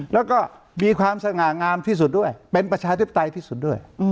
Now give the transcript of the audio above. แล้วก็มีความสง่างามที่สุดด้วยเป็นประชาธิปไตยที่สุดด้วย